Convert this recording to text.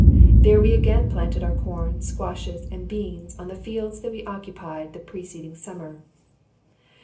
There we again planted our corn, squashes, and beans, on the fields that we occupied the preceding summer.